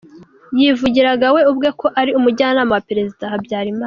Yivugiraga we ubwe ko ari umujyanama wa perezida Habyarimana.